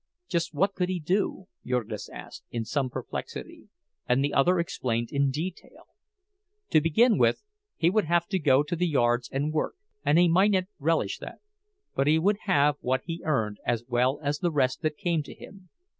Just what could he do? Jurgis asked, in some perplexity, and the other explained in detail. To begin with, he would have to go to the yards and work, and he mightn't relish that; but he would have what he earned, as well as the rest that came to him.